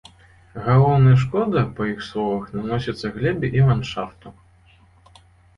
Галоўная шкода, па іх словах, наносіцца глебе і ландшафту.